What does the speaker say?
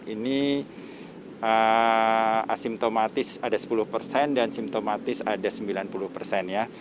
ini asimptomatis ada sepuluh persen dan simptomatis ada sembilan puluh persen ya